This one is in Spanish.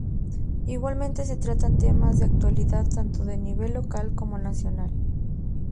Igualmente se tratan temas de actualidad tanto de nivel local como nacional.